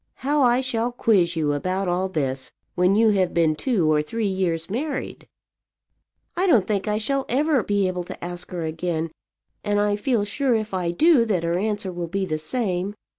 How I shall quiz you about all this when you have been two or three years married!" "I don't think I shall ever be able to ask her again; and I feel sure, if I do, that her answer will be the same.